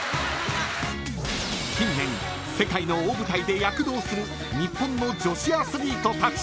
［近年世界の大舞台で躍動する日本の女子アスリートたち］